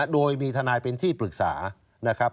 โดยมีทนายเป็นที่ปรึกษานะครับ